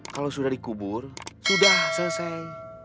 kalau sudah dikubur sudah selesai